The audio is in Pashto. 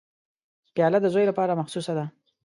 پیاله د زوی لپاره مخصوصه ده.